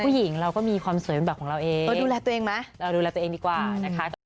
ผู้หญิงเราก็มีความสวยเป็นแบบของเราเองดูแลตัวเองดีกว่านะคะ